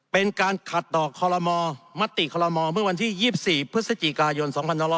เป็นการขัดต่อคอลโลมอร์มัตติคอลโลมอร์เมื่อวันที่๒๔พฤศจิกายน๒๑๕๘